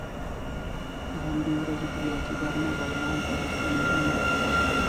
د همدې ورځې په مازدیګر مو بغلان ته د ستنېدو نیت وکړ.